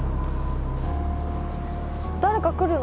誰か来るの？